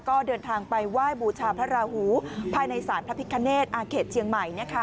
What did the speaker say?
ก็เดินทางไปว่ายบูชาพระราหูภายในสารทะพิกาเนสเขตเจียงใหม่